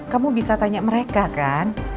kamu bisa tanya mereka kan